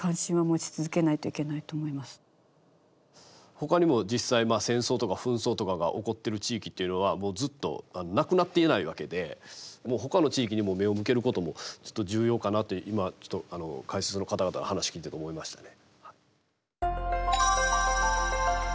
ほかにも実際戦争とか紛争とかが起こっている地域っていうのはもうずっとなくなっていないわけでほかの地域にも目を向けることもちょっと重要かなと今ちょっと解説の方々の話を聞いていて思いましたね。